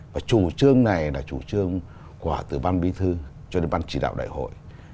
và chủ trương này là chủ trương của từ ban bí thư cho đến ban chỉ đạo đại hội